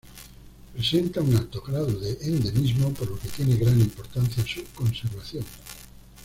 Presenta un alto grado de endemismo, por lo que tiene gran importancia su conservación.